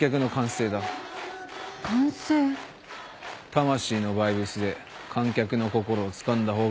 魂のバイブスで観客の心をつかんだ方が勝つ。